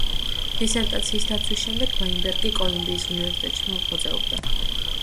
დისერტაციის დაცვის შემდეგ ვაინბერგი კოლუმბიის უნივერსიტეტში მოღვაწეობდა.